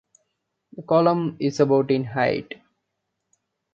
The column is about in height.